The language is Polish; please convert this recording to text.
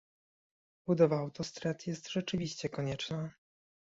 Budowa autostrad jest rzeczywiście konieczna